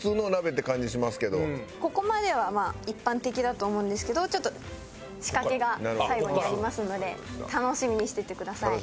ここまではまあ一般的だと思うんですけどちょっと仕掛けが最後にありますので楽しみにしててください。